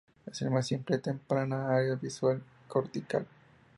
Es la más simple, temprana área visual cortical.